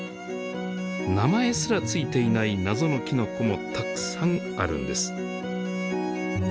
名前すら付いていない謎のきのこもたくさんあるんです。